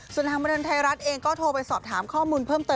ส่วนทางบันเทิงไทยรัฐเองก็โทรไปสอบถามข้อมูลเพิ่มเติม